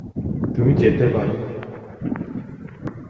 তুমি যেতে পারো।